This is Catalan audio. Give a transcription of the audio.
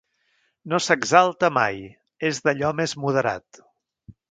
No s'exalta mai: és d'allò més moderat.